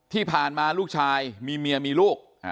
ที่ผ่านมาลูกชายมีเมียมีลูก